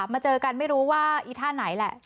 มาเจอกันไม่รู้ว่าอีท่าไหนแหละ